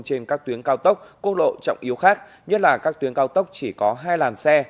trên các tuyến cao tốc cô lộ trọng yếu khác nhất là các tuyến cao tốc chỉ có hai làn xe